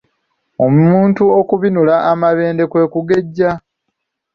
Omuntu okubinula amabende kwe okugejja.